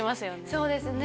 そうですね